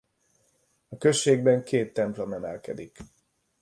A községben két templom emelkedik.